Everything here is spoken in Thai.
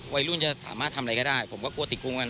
วัยรุ่นจะสามารถทำอะไรก็ได้ผมก็กลัวติดกรุงกัน